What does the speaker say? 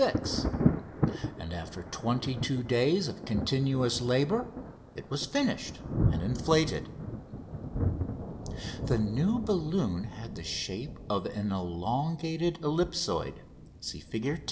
6," and after twenty two days of continuous labour it was finished and inflated. [Illustration: Fig. 10] The new balloon had the shape of an elongated ellipsoid (Fig.